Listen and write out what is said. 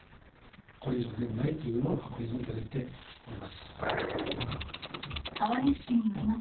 これ以上、何もないというのは確認をいただいております。